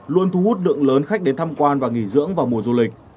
luôn thu hút lượng lớn khách đến tham quan và nghỉ dưỡng vào mùa du lịch